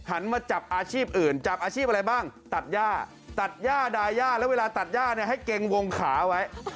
มาจับอาชีพอื่นจับอาชีพอะไรบ้างตัดย่าตัดย่าดาย่าแล้วเวลาตัดย่าเนี่ยให้เกรงวงขาไว้